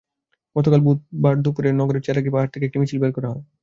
গতকাল বুধবার দুপুরে নগরের চেরাগী পাহাড় থেকে একটি মিছিল বের করা হয়।